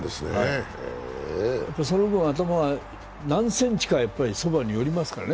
その分、頭は何センチか寄りますからね。